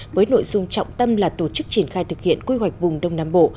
với nội dung trọng tâm là tổ chức triển khai thực hiện quy hoạch vùng đông nam bộ